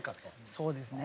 そうですね。